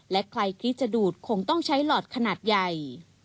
และใครคิดจะดูดคงต้องใช้หลอดขนาดใหญ่